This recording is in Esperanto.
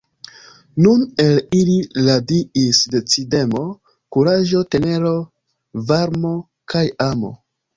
Nun el ili radiis decidemo, kuraĝo, tenero, varmo kaj amo.